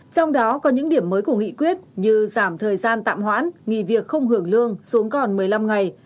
trong đó có những điểm mới của nghị quyết như giảm thời gian tạm hoãn nghỉ việc không hưởng lương xuống còn một mươi năm ngày